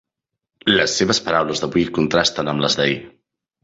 Les seves paraules d'avui contrasten amb les d'ahir.